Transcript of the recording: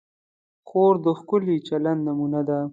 خور د ښکلي چلند نمونه ده.